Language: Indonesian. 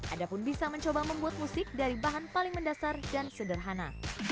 anda pun bisa mencoba membuat musik dari bahan paling mendasar dan sederhana